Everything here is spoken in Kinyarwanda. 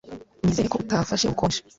Nizere ko utafashe ubukonje.